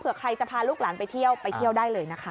เพื่อใครจะพาลูกหลานไปเที่ยวไปเที่ยวได้เลยนะคะ